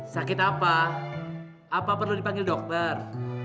sakit apa apa perlu dipanggil dokter